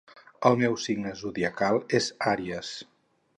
El meu signe zodiacal és àries.